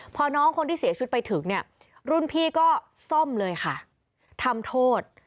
พอน้องคนที่เสียชีวิตไปถึงเนี่ยรุ่นพี่ก็ซ่อมเลยค่ะทำโทษ